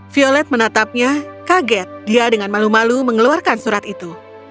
violet menatapnya kaget dia dengan malu malu mengeluarkan surat itu